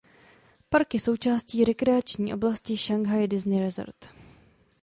Park je součástí rekreační oblasti Shanghai Disney Resort.